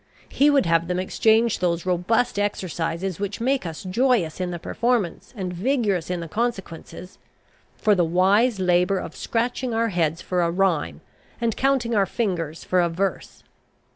He would have them exchange those robust exercises which make us joyous in the performance, and vigorous in the consequences, for the wise labour of scratching our heads for a rhyme and counting our fingers for a verse.